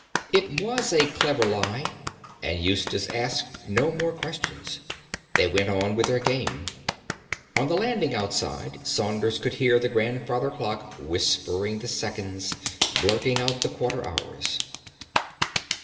It was a clever lie, and Eustace asked no more questions. They went on with their game. On the landing outside Saunders could hear the grandfather's clock whispering the seconds, blurting out the quarter hours.